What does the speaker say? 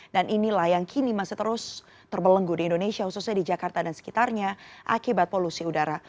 dan inilah yang kini masih terus terbelenggu di indonesia khususnya di jakarta dan sekitarnya akibat polusi udara